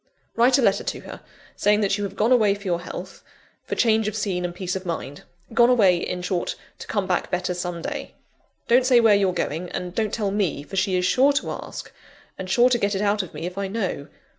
Write a letter to her, saying that you have gone away for your health, for change of scene and peace of mind gone away, in short, to come back better some day. Don't say where you're going, and don't tell me, for she is sure to ask, and sure to get it out of me if I know.